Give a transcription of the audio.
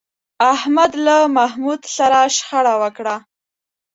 احمد له محمود سره شخړه وکړه.